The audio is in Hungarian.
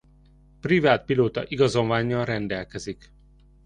Privát pilóta igazolvánnyal rendelkezik.